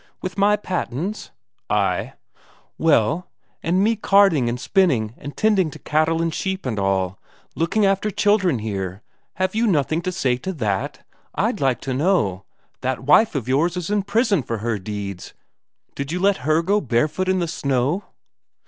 "With my pattens?" "Ay." "Well ... and me carding and spinning, and tending cattle and sheep and all, looking after children here have you nothing to say to that? I'd like to know; that wife of yours that's in prison for her deeds, did you let her go barefoot in the snow?"